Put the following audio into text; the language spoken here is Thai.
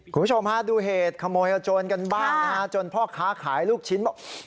คุณผู้ชมฮะดูเหตุขโมยขโจรกันบ้างนะฮะจนพ่อค้าขายลูกชิ้นบอก